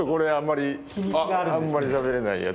あんまりしゃべれないやつ。